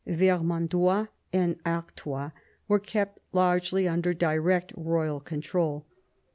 Vermandois and Artois were kept largely under direct royal control.